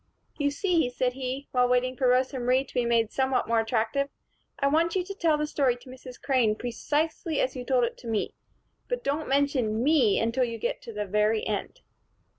"You see," said he, while waiting for Rosa Marie to be made somewhat more attractive, "I want you to tell the story to Mrs. Crane, precisely as you told it to me. But don't mention me until you get to the very end."